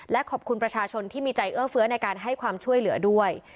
และขอบคุณประชาชนที่มีใจเอื้อเฟื้อในการให้ความช่วยเหลือด้วย